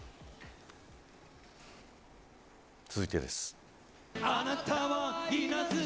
続いてです。